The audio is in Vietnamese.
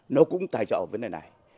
và mục tiêu chính là gì